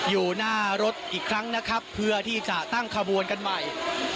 อยู่หน้ารถอีกครั้งนะครับเพื่อที่จะตั้งขบวนกันใหม่